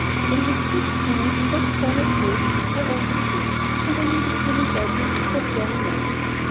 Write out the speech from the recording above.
When he speaks to me in that tone of voice I always do it. And I needed Billy badly at that very moment.